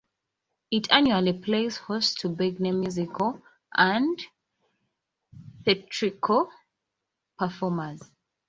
It annually plays host to big-name musical and theatrical performers.